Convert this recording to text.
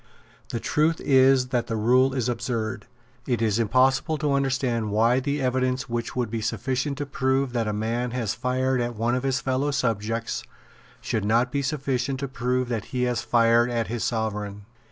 The truth is that the rule is absurd. It is impossible to understand why the evidence which would be sufficient to prove that a man has fired at one of his fellow subjects should not be sufficient to prove that he has fired at his Sovereign.